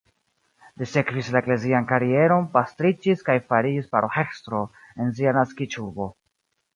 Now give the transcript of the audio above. Li sekvis la eklezian karieron, pastriĝis kaj fariĝis paroĥestro en sia naskiĝurbo.